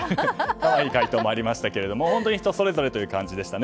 可愛い回答もありましたけれども本当に人それぞれという感じでしたね。